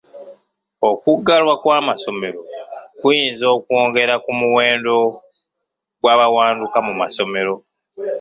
Okuggalwa kw'amasomero kuyinza okwongera ku muwendo gw'abawanduka mu masomero.